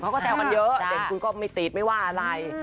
เขาก็แซวกันเยอะเด็กคุณก็ไม่ติดไม่ว่าอะไร